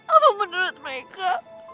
apa menurut mereka